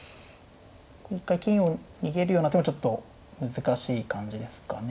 一回金を逃げるような手もちょっと難しい感じですかね。